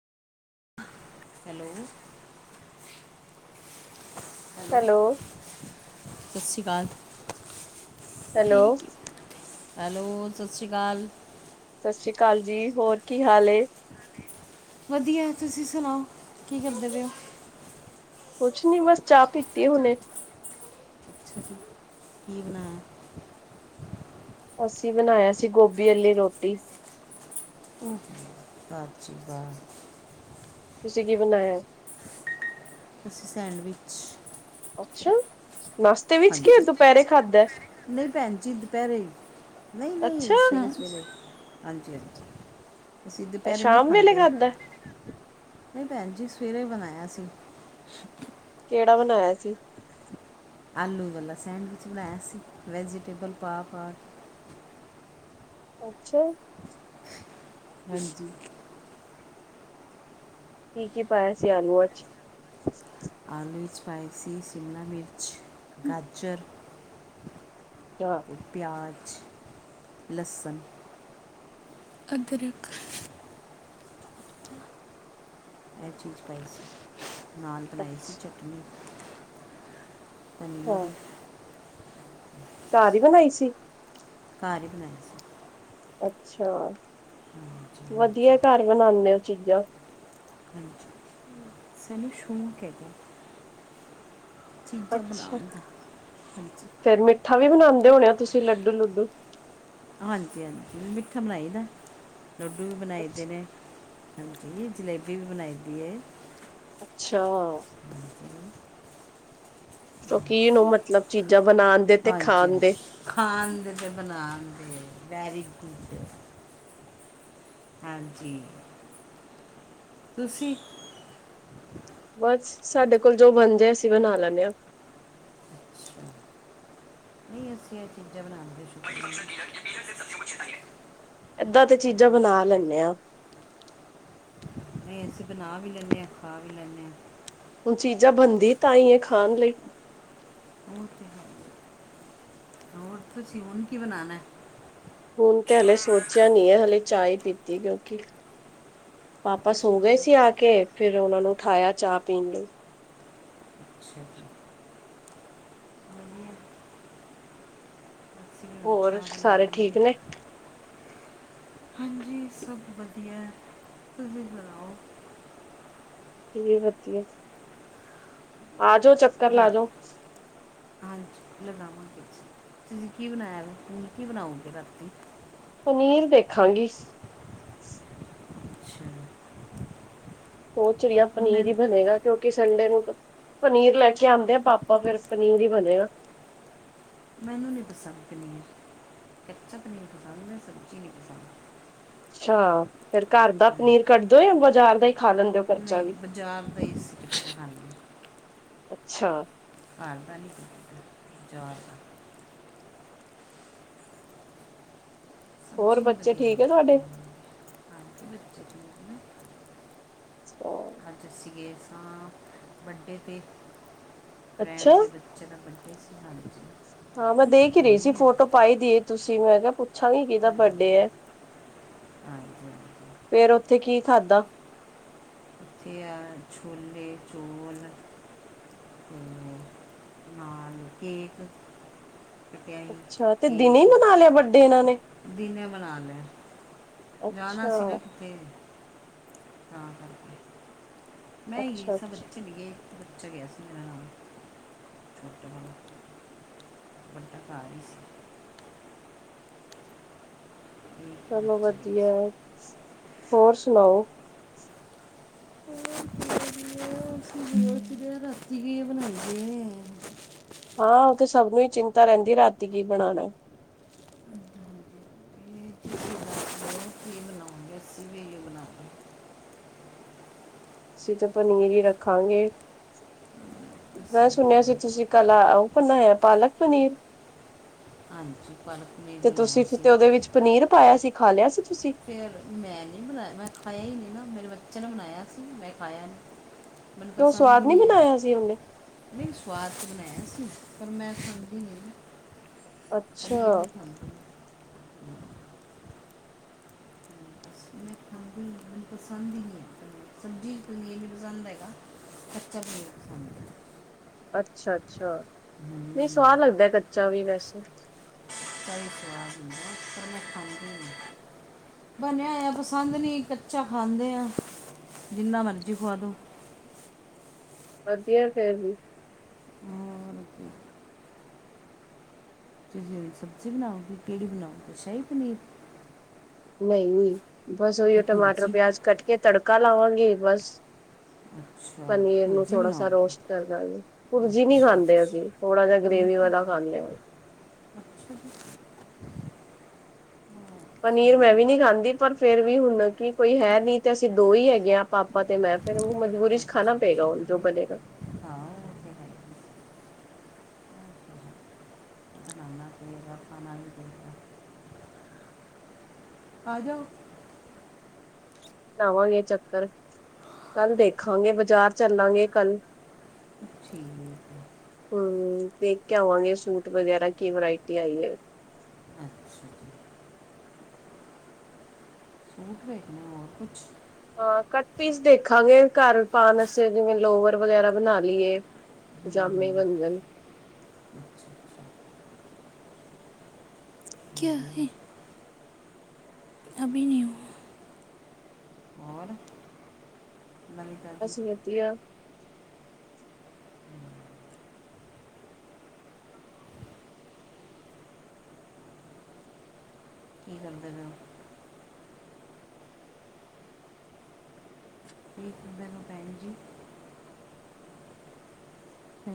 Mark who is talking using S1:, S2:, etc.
S1: Hello, hello, ਸਤਿ ਸ਼੍ਰੀ ਅਕਾਲ,
S2: ਹੈਲੋ
S1: ਠੀਕ
S2: ਸਤਿ
S1: ਹੈਲੋ ਸਤਿ ਸ਼੍ਰੀ ਅਕਾਲ,
S2: ਸਤਿ ਸ਼੍ਰੀ ਅਕਾਲ ਜੀ ਹੋਰ ਕੀ ਹਾਲ ਏ?
S1: ਵਧੀਆ ਤੁਸੀਂ ਸੁਣਾਓ ਕੀ ਕਰਦੇ ਪਏ ਹੋ,
S2: ਕੁਛ ਨੀ ਬਸ ਚਾਹ ਪੀਤੀ ਆ ਹੁਨੇ,
S1: ਅਸੀ ਕੀ ਬਣਾਇਆ?
S2: ਅਸੀਂ ਬਣਾਇਆ ਸੀ ਗੋਭੀ ਆਲੀ ਰੋਟੀ,
S1: ਹੂੰ, ਵਾਹ ਜੀ ਵਾਹ,
S2: ਤੁਸੀ ਕੀ ਬਣਾਇਆ?
S1: ਅਸੀਂ ਸੈਂਡਵਿਚ,
S2: ਅੱਛਾ ਨਾਸ਼ਤੇ ਵਿੱਚ ਕੀ
S1: ਹਾਂਜੀ
S2: ਦੁਪਹਿਰੇ ਖਾਧਾ,
S1: ਨਹੀਂ ਭੈਣ ਜੀ ਦੁਪਹਿਰੇ ਨਹੀਂ
S2: ਅੱਛਾ,
S1: ਨਹੀਂ ਸ਼ਾਮ ਸਵੇਰੇ, ਹਾਂਜੀ-ਹਾਂਜੀ, ਅਸੀਂ
S2: ਐ
S1: ਦੁਪਹਿਰੇ ਨਹੀਂ
S2: ਸ਼ਾਮ ਵੇਲੇ
S1: ਖਾਂਦੇ,
S2: ਖਾਧਾ?
S1: ਨਹੀਂ ਭੈਣ ਜੀ ਸਵੇਰੇ ਬਣਾਇਆ ਸੀ।
S2: ਕਿਹੜਾ ਬਣਾਇਆ ਸੀ,
S1: ਆਲੂ ਵਲਾ ਸੈਂਡਵਿਚ ਬਣਾਇਆ ਸੀ ਵੈਜੀਟੇਬਲ ਪਾ ਪਾ,
S2: ਅੱਛਾ,
S1: ਹਾਂਜੀ,
S2: ਕੀ ਹੀ ਪਾਇਆ ਸੀ ਆਲੂਆ ਚ,
S1: ਆਲੂ ਚ ਪਾਏ ਸੀ ਸ਼ਿਮਲਾ ਮਿਰਚ ਗਾਜਰ,
S2: ਚਾਹ
S1: ਤੇ ਪਿਆਜ਼ ਲਸਣ ਅਦਰਕ ਇਹ ਚੀਜ਼ ਪਾਈ ਸੀ ਨਾਨ ਬਣਾਈ ਸੀ ਚਟਨੀ ਹਾਂਜੀ
S2: ਘਾਰ ਹੀ ਬਣਾਈ ਸੀ
S1: ਘਾਰ ਹੀ ਬਣਾਈ ਸੀ
S2: ਅੱਛਾ
S1: [unintelligible]
S2: ਵਧੀਆ ਘਾਰ ਬਣਾਉਂਦੇ ਓ ਚੀਜ਼ਾਂ
S1: ਹਾਂਜੀ ਸਾਨੂੰ ਸ਼ੋਂਕ ਹੈ ਜੀ ਚੀਜ਼ਾਂ
S2: ਅੱਛਾ,
S1: ਬਣਾਉਣ ਦਾ ਹਾਂਜੀ
S2: ਫੇਰ ਮਿੱਠਾ ਵੀ ਬਣਾਉਂਦੇ ਹੋਣੇ ਹੋ ਤੁਸੀਂ ਲੱਡੂ ਲੁੱਡੂ
S1: ਹਾਂਜੀ ਹਾਂਜੀ ਮਿੱਠਾ ਬਣਾਈ ਦਾ ਲੱਡੂ ਵੀ ਬਣਾਈ ਦੇ ਨੇ ਹਾਂਜੀ ਜਲੇਬੀ ਵੀ ਬਣਾਈ ਦੀ ਹੈ
S2: ਅੱਛਾ ਸ਼ੌਕੀਨ ਔ ਮਤਲਬ ਚੀਜ਼ਾਂ ਬਣਾਉਣ
S1: ਹਾਂਜੀ ਹਾਂਜੀ ਖਾਣ ਦੇ ਅਤੇ ਬਣਾਉਣ ਦੇ ਵੈਰੀ ਗੁਡ ਹਾਂਜੀ ਤੁਸੀਂ
S2: ਬਸ ਸਾਡੇ ਕੋਲ ਜੋ ਬਣ ਜਾਏ ਅਸੀਂ ਬਣਾ ਲੈਂਨੇ ਆਂ
S1: ਨਹੀਂ ਅਸੀਂ ਇਹ ਚੀਜ਼ਾਂ ਬਣਾਉਂਦੇੁ
S2: ਏਦਾਂ ਤੇ ਚੀਜ਼ਾਂ ਬਣਾ ਲੈਂਨੇ ਆਾਂ
S1: ਨਹੀਂ ਅਸੀਂ ਬਣਾ ਵੀ ਲੈਂਨੇ ਆਂ ਖਾ ਵੀ ਲੈਂਨੇ ਆਂ
S2: ਹੁਣ ਚੀਜ਼ਾਂ ਬਣਦੀ ਤਾਂ ਹੀ ਹੈ ਖਾਣ ਲਈ
S1: ਔ ਤੇ ਹੈ ਔਰ ਤੁਸੀ ਹੁਣ ਕੀ ਬਣਾਣਾ ਹੈ
S2: ਹੁਣ ਤੇ ਹਾਲੇ ਸੋਚਿਆ ਨੀ ਹੈ ਹਾਲੇ ਚਾਹ ਪੀਤੀ ਕਿਉਂਕਿ ਪਾਪਾ ਸੋ ਗਏ ਸੀ ਆ ਕੇ ਫਿਰ ਉਹਨਾ ਨੂੰ ਉਠਾਇਆ ਚਾਹ ਪੀਣ ਲਈ
S1: ਅੱਛਾ ਜੀ ਵਧੀਆ ਅਸੀਂ ਵੀ ਹੁਣ
S2: ਹੋਰ
S1: ਚਾਹ
S2: ਸਾਰੇ ਠੀਕ
S1: ਬਣਾਵਾਂਗੇ
S2: ਨੇ
S1: ਹਾਂਜੀ ਸਭ ਵਧੀਆ ਐ ਤੁਸੀਂ ਸੁਣਾਓ
S2: ਕਿਵੇਂ ਵਧੀਆ ਐ ਆ ਜਾੋ ਚੱਕਰ
S1: ਰਾਤ
S2: ਲਾਜਓ
S1: ਹਾਂਜੀ ਲਗਾਵਾਂਗੇ ਜੀ, ਤੁਸੀਂ ਕੀ ਬਣਾਇਆ ਵ ਤੁਸੀ ਕੀ ਬਣਾਓਗੇ ਰਾਤੀ
S2: ਪਨੀਰ ਦੇਖਾਂਗੀ
S1: ਅੱਛਾ
S2: ਸੋਚ ਰਹੀ ਆਂ ਪਨੀਰ
S1: ਮੈਂ
S2: ਹੀ ਬਣੇਗਾ ਕਿਉਂਕਿ ਸੰਡੇ ਨੂੰ ਪਨੀਰ ਲੈ ਕੇ ਆਉਂਦੇ ਆ ਪਾਪਾ ਫੇਰ ਪਨੀਰ ਹੀ ਬਣੇਗਾ
S1: ਔ ਨੂੰ ਨੀ ਪਸੰਦ ਪਨੀਰ, ਕੱਚਾ ਪਨੀਰ ਪਸੰਦ ਐ ਸਬਜੀ ਨੀ ਪਸੰਦ
S2: ਅੱਛਾ ਫੇਰ ਘਾਰ ਦਾ ਪਨੀਰ ਕੱਢਦੇ ਔ ਜਾਂ ਬਾਜ਼ਾਰ ਦਾ ਹੀ ਖਾ ਲੈਂਦੇ ਹੋ ਫਿਰ
S1: ਤੇ ਬਾਜ਼ਾਰ ਦਾ ਹੀ ਅਸੀ ਕਿੱ ਬਣਾ ਲਈਦਾ
S2: ਅੱਛਾ
S1: ਘਾਰ ਦਾ ਨੀ ਬਜ਼ਾਰ ਦਾ
S2: ਹੋਰ
S1: ਚੀ ਨਹੀਂਵ
S2: ਬੱਚੇ
S1: ਦੇ
S2: ਠੀਕ
S1: ਹ
S2: ਹੈ ਤੁਹਾਡੇ
S1: ਪਛ [inaudible]
S2: ਹਾਂ
S1: ਅਜ ਅਸੀ ਗਏ ਸਾਂ ਬਰ੍ਥਡੇ ਤੇ ਫਰੈਂਡ
S2: ਅੱਛਾ,
S1: ਦੇ ਬੱਚੇ ਦਾ ਬਰਡੇ ਹਾਂਜੀ, ਹੁਨੀ ਐ।
S2: ਪਾਈਦੀ ਐ ਤੁਸੀਂ ਮੈਂ ਕਿਆ ਪੁੱਛਾਂਗੀ ਕਿਦਾ ਬਰਡੇ ਐ।
S1: [inaudible]
S2: ਫੇਰ ਓਥੇ ਕੀ ਖਾਦਾ।
S1: ਤੇ ਆ ਛੋਲੇ ਚੋਲ ਤੇ ਕੇਕ ਖਟਿਆਈ
S2: ਅੱਛਾ ਤੇ ਦਿਨੇ ਹੀ
S1: ਕੇਕ
S2: ਮਨਾ ਲਿਆ ਬਰਡੇ ਇਹਨਾਂ ਨੇ
S1: ਦਿਨੈ ਬਣਾ ਲੈ। ਜਾਣਾ
S2: ਅੱਛਾ
S1: ਸੀ ਨਾ ਕਿਤੇੇ ਆਪ ਮੈਂ ਈ ਗਈ
S2: ਅੱਛਾ
S1: ਸਾਂ
S2: ਅੱਛਾ
S1: ਬੱਚੇ ਨੀ ਗਏ ਏਕ ਬੱਚਾ ਗਿਆ ਸੀ ਨਾਲ [inaudible] [unintelligible] ਘਰ ਈ ਸੀ। [inaudible]
S2: ਚਲੋ
S1: ਗਿਆ
S2: ਵਦੀਆ, ਹੋਰ ਸੁਨਾਓ
S1: [inaudible] ਦਿਆ ਰਾਤੀ ਕੀ ਏ ਬਨਾਂਦੇ ਨੇ।
S2: ਹਾਂ ਓ ਤੇ ਸਭ ਨੂੰ ਈ ਚਿੰਤਾ ਰੈਂਦੀ ਰਾਤੀ ਕੀ ਬਨਾਨਾ।
S1: ਨਈ ਤੁਸੀਂ ਦੱਸੋ ਕੀ ਬਨਾਓਗੇ ਅਸੀਂ ਵੀ ਓਈਓ ਬਣਾ ਲਾਂ।
S2: ਅਸੀਂ ਤਾਂ ਪਨੀਰ ਈ ਰੱਖਾਂਗੇ।
S1: ਅਸੀਂ
S2: ਮੈਂ
S1: ਵੀ
S2: ਸੁਨਿਆ ਸੀ
S1: ਖਾਣਾ
S2: ਤੁਸੀਂ ਕੱਲ ਓਹ ਬਨਾਏਆ ਪਾਲਕ ਪਨੀਰ।
S1: ਹਾਂਜੀ ਪਾਲਕ ਪਨੀਰ
S2: ਤੇ ਤੁਸੀਂ
S1: ਬਣਾਇਆ
S2: ਫਿਰ
S1: ਸੀ
S2: ਤੇ ਓਦੇ ਵਿੱਚ ਪਨੀਰ ਪਾਇਆ ਸੀ ਖਾ ਲਿਆ ਸੀ ਤੁਸੀਂ।
S1: ਫਿਰ ਮੈਂ ਨੀ ਬਨਾਇਆ ਮੈਂ ਖਾਇਆ ਈ ਨੀ ਨਾ ਮੇਰੇ ਬੱਚੇ ਨੇ ਬਨਾਇਆ ਸੀ ਮੈਂ ਖਾਇਆ ਨੀ। ਮੈਨੂੰ
S2: ਕਿਉਂ
S1: ਪਸੰਦ ਈ
S2: ਸਵਾਦ
S1: ਨੀ ਆਏਆ।
S2: ਬਣਾਇਆ ਸੀ ਉਹਨੇ
S1: ਨਈ ਸਵਾਦ ਤੇ ਬਨਾਇਆ ਸੀ, ਪਰ ਮੈਂ ਖਾਂਦੀ ਨੀ ਨਾ।
S2: ਅੱਛਾ।
S1: ਹਾਂਜੀ ਮੈਨੂੰ ਪਸੰਦ ਈ ਨੀ ਐ। ਸਬਜ਼ੀ ਬਿਲਕੁਲ ਵੀ ਨੀ ਪਸੰਦ ਹੈਗਾ ਕੱਚਾ ਪਨੀਰ ਹਾਂਜੀ।
S2: ਅੱਛਾ-ਅੱਛਾ, ਨਈ ਸਵਾਦ ਲੱਗਦਾ ਕੱਚਾ ਵੀ ਵੈਸੇ।
S1: ਚਾਏ ਸਵਾਦ ਹੁੰਦਾ ਪਰ ਮੈਂ ਖਾਂਦੀ ਨੀ। ਬਨਿਆ ਹੋਏਆ ਪਸੰਦ ਨੀ ਕੱਚਾ ਖਾਂਦੇ ਆਂ ਜਿੰਨਾ ਮਰਜ਼ੀ ਖਵਾ ਦੋ।
S2: ਵਦੀਐ ਫੇਰ ਵੀ।
S1: ਹੋਰ ਤੁਸੀਂ ਹੁਨ ਸਬਜ਼ੀ ਬਨਾਓਗੇ ਕਿਹੜੀ ਬਨਾਓਗੇ ਸ਼ਾਈ ਪਨੀਰ।
S2: ਨਈ ਉਈ, ਬਸ
S1: ਕਿ
S2: ਓਹੀਓ ਟਮਾਟਰ
S1: ਭੁਰਜੀ
S2: ਪਿਆਜ ਕੱਟ ਕੇ ਤੜਕਾ ਲਾਵਾਂਗੇ ਬਸ।
S1: ਅੱਛਾ
S2: ਪਨੀਰ ਨੂੰ
S1: ਭੁਰਜੀ
S2: ਥੋੜਾ ਸਾ
S1: ਬਣਾਓਗੇ
S2: ਰੋਸਟ ਕਰਦਾਂਗੇ ਭੁਰਜੀ ਨੀ
S1: ਅੱਛਾ
S2: ਖਾਂਦੇ ਅਸੀਂ
S1: ਅੱਛਾ।
S2: ਥੋੜਾ ਜਾ
S1: ਨਹੀਂ
S2: ਗ੍ਰੇਵੀ ਵਾਲਾ
S1: ਖਾ-
S2: ਖਾਂਨੇ ਆਂ।
S1: ਅੱਛਾ ਜੀ।
S2: ਪਨੀਰ ਮੈਂ ਵੀ ਨੀ ਖਾਂਦੀ ਪਰ ਫੇਰ ਵੀ ਹੁਣ ਕੀ ਕੋਈ ਹੈ ਨੀ ਤੇ ਅਸੀਂ ਦੋ ਹੀ ਹੈਗੇ ਆਂ ਪਾਪਾ ਤੇ ਮੈਂ। ਫੇਰ ਓਨੂੰ ਮਜਬੂਰੀ ਚ ਖਾਨਾ ਪਏਗਾ ਓ ਜੋ ਬਨੇਗਾ।
S1: ਹਾਂ ਓ ਤੇ ਹੈ। ਬਨਾਨਾ ਪਏਗਾ ਖਾਨਾ ਵੀ ਪਏਗਾ। ਆ ਜਾਓ।
S2: ਲਾਵਾਂਗੇ ਚੱਕਰ। ਕੱਲ ਦੇਖਾਂਗੇ ਬਾਜ਼ਾਰ ਚੱਲਾਂਗੇ ਕੱਲ।
S1: ਠੀਕ ਐ।
S2: ਹੂੰ ਵੇਖ ਕੇ ਆਵਾਂਗੇ ਸੂਟ ਵਗੈਰਾ ਕੀ ਵਰਾਇਟੀ ਆਈ ਐ।
S1: ਅੱਛਾ ਜੀ ਰੁੱਕ ਵੇਖਨਾ ਹੋਰ ਕੁੱਛ
S2: ਹਾਂ! ਕੱਟ ਪੀਸ ਦੇਖਾਂਗੇ। ਘਰ ਪਾਨ ਅਸਤੇ। ਜਿਵੇਂ, ਲੋਵਰ ਵਗੈਰਾ ਬਣਾ ਲੀਏ। ਪਜਾਮੇ ਬਣ ਜਣ।
S1: ਕਿਆ ਹੈ ਅਭੀ ਨੀ ਹੂੰ। [unintelligible]
S2: ਅਸੀ ਵਦੀਆਂ।
S1: ਕੀ ਕਰਦੇ ਪਏ ਔ?